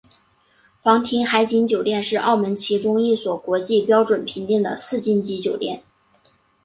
皇庭海景酒店是澳门其中一所国际标准评定的四星级酒店。